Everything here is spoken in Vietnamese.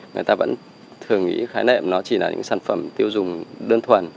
người ta vẫn thường nghĩ khái niệm nó chỉ là những sản phẩm tiêu dùng đơn thuần